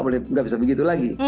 tidak bisa begitu lagi